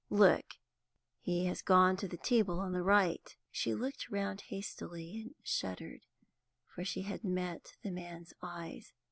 Look, he has gone to the table on the right." She looked round hastily, and shuddered, for she had met the man's eyes.